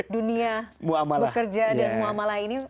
dunia bekerja dan muamalah ini